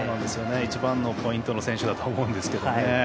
一番のポイントの選手だと思うんですけどね。